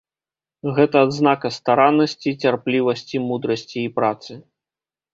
Гэта адзнака стараннасці, цярплівасці, мудрасці і працы.